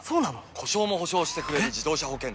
故障も補償してくれる自動車保険といえば？